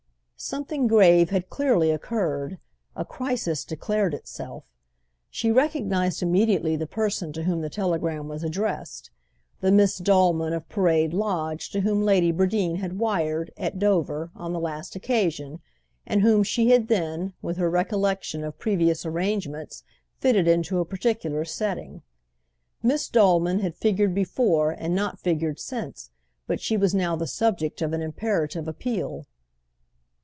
Something grave had clearly occurred, a crisis declared itself. She recognised immediately the person to whom the telegram was addressed—the Miss Dolman of Parade Lodge to whom Lady Bradeen had wired, at Dover, on the last occasion, and whom she had then, with her recollection of previous arrangements, fitted into a particular setting. Miss Dolman had figured before and not figured since, but she was now the subject of an imperative appeal.